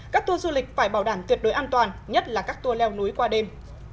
các tour du lịch phải bảo đảm tuyệt đối an toàn nhất là các tour leo núi qua đêm